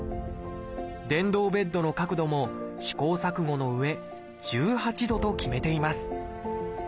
電動ベッドの角度も試行錯誤のうえ１８度と決めています